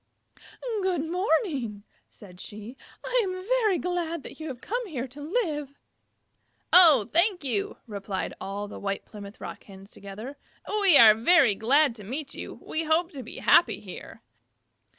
"Good morning," said she. "I am very glad that you have come here to live." "Oh, thank you," replied all the White Plymouth Rocks together. "We are very glad to meet you. We hope to be happy here."